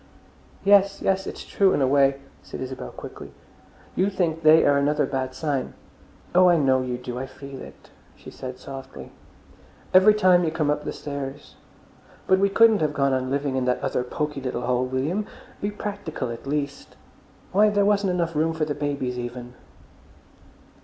"Yes, yes, it's true in a way," said Isabel quickly. "You think they are another bad sign. Oh, I know you do. I feel it," she said softly, "every time you come up the stairs. But we couldn't have gone on living in that other poky little hole, William. Be practical, at least! Why, there wasn't enough room for the babies even."